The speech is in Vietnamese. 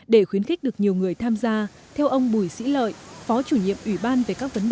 để khuyến khích được nhiều người tham gia theo ông bùi sĩ lợi phó chủ nhiệm ủy ban về các vấn đề